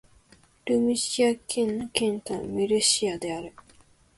ムルシア県の県都はムルシアである